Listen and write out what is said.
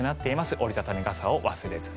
折り畳み傘を忘れずに。